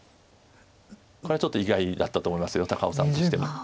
これはちょっと意外だったと思います高尾さんとしても。